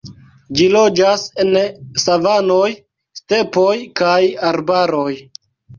Ĝi loĝas en savanoj, stepoj, kaj arbaroj.